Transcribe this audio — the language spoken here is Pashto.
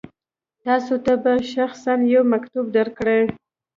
تاسو ته به شخصا یو مکتوب درکړي.